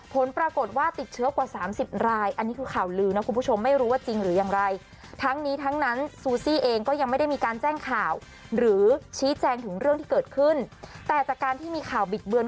ผลปรากฏว่าติดเชือกว่า๓๐ราย